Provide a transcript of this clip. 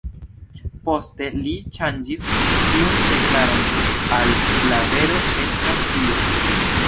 Poste li ŝanĝis tiun deklaron al "la vero estas Dio".